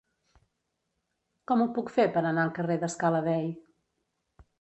Com ho puc fer per anar al carrer de Scala Dei?